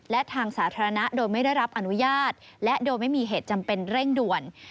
และทางสาธารณะโดยไม่ได้รับอนุญาตและโดยไม่มีเหตุจำเป็นเร่งด่วน